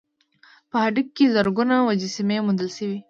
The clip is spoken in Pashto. په هډه کې زرګونه مجسمې موندل شوي